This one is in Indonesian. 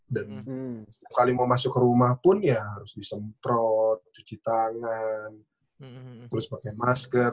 dan sekali mau masuk ke rumah pun ya harus disemprot cuci tangan terus pakai masker